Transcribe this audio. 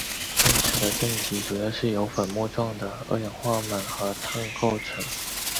电池的正极主要是由粉末状的二氧化锰和碳构成。